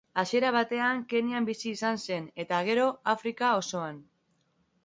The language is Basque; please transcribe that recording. Hasiera batean Kenyan bizi izan zen, eta gero Afrika osoan.